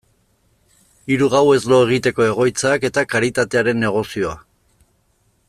Hiru gauez lo egiteko egoitzak eta karitatearen negozioa.